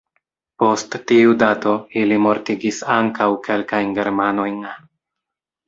Post tiu dato, ili mortigis ankaŭ kelkajn germanojn.